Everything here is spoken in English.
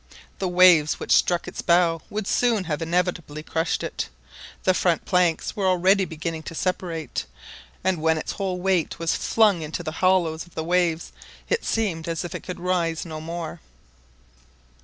The waves which struck its bow would soon have inevitably crushed it; the front planks were already beginning to separate, and when its whole weight was flung into the hollows of the waves it seemed as if it could rise no more.